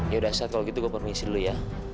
yaudah sat kalau gitu gue permisi dulu ya